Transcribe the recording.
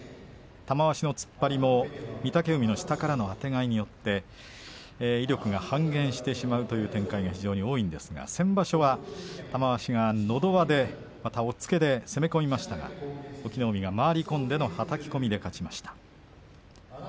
玉鷲の突っ張りも御嶽海の下からのあてがいによって威力が半減してしまうという展開が非常に多いんですが先場所は玉鷲が、のど輪でまた押っつけで攻め込みましたが御嶽海が回り込んでのはたき込みで勝ちました。